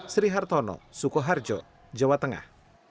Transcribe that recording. sri hartono sukoharjo jawa tengah